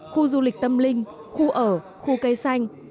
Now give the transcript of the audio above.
khu du lịch tâm linh khu ở khu cây xanh